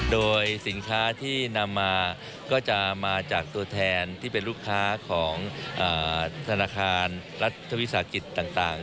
โดยสินค้าที่นำมาก็จะมาจากตัวแทนที่เป็นลูกค้าของธนาคารรัฐวิสาหกิจต่าง